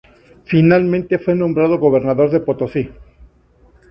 Finalmente fue nombrado gobernador de Potosí.